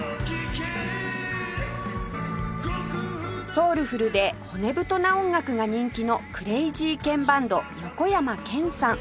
ソウルフルで骨太な音楽が人気のクレイジーケンバンド横山剣さん